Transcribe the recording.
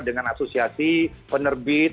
dengan asosiasi penerbit